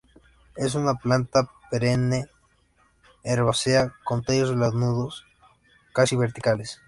Es una planta perenne, herbácea con tallos lanudos casi verticales.